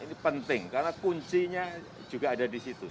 ini penting karena kuncinya juga ada di situ